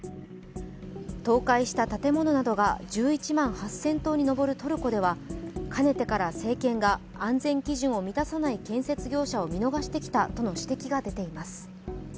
倒壊した建物などが１１万８０００棟に上るトルコではかねてから政権が安全基準を満たさない建設業者を見逃してきたとの指摘が出ています。